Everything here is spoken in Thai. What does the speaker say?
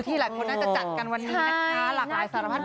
หลายคนน่าจะจัดกันวันนี้นะคะหลากหลายสารพัด